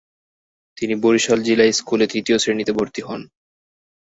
তিনি বরিশাল জিলা স্কুলে তৃতীয় শ্রেণিতে ভর্তি হন।